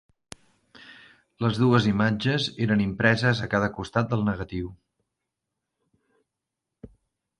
Les dues imatges eren impreses a cada costat del negatiu.